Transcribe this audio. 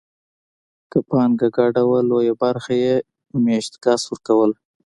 که پانګه ګډه وه لویه برخه یې مېشت کس ورکوله